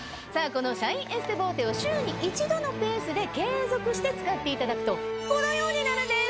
このシャインエステボーテを週に１度のペースで継続して使っていただくとこのようになるんです。